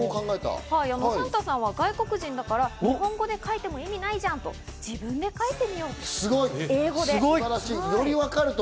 サンタさんは外国人だから日本語で書いても意味ないじゃんということで自分で書いてみようと英語で。